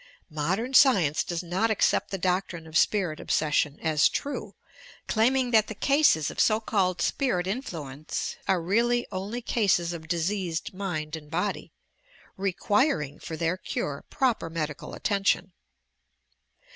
Modem seience does not accept the doctrine of spirit obsession as true, claiming that the oases of so called spirit influence are really only cases of diseased mind and body, requiring for their M OBSESSION AND INSAJ7ITT 199 cure proper medical attention.